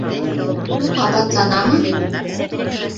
— Ҡабатланамы?